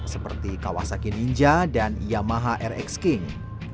seperti kawasaki ninja dan yamaha rx king